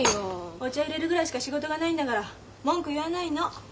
お茶いれるぐらいしか仕事がないんだから文句言わないの。